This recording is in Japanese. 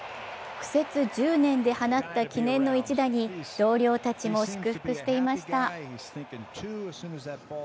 苦節１０年で放った記念の一打に同僚たちも祝福していました。